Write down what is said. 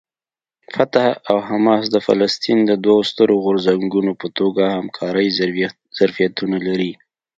فتح او حماس د فلسطین د دوو سترو غورځنګونو په توګه همکارۍ ظرفیتونه لري.